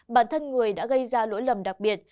bản thân người đã gây ra lỗi lầm đặc biệt